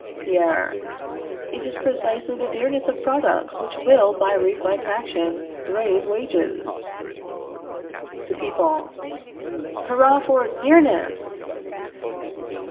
Pierre. It is precisely the dearness of products which will, by reflex action, raise wages. The People. Hurrah for DEARNESS!